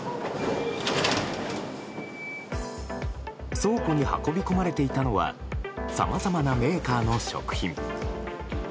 倉庫に運び込まれていたのはさまざまなメーカーの食品。